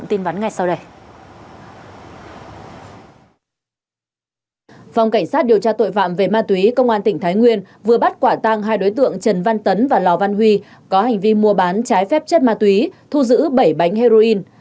phòng cảnh sát điều tra tội phạm về ma túy công an tỉnh thái nguyên vừa bắt quả tăng hai đối tượng trần văn tấn và lò văn huy có hành vi mua bán trái phép chất ma túy thu giữ bảy bánh heroin